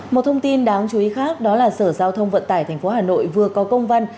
một thông tin đáng chú ý khác đó là sở giao thông vận tải tp hà nội vừa có công văn